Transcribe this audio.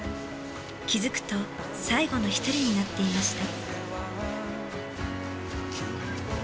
気付くと最後の一人になっていました。